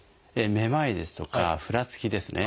めまいですとかふらつきですね。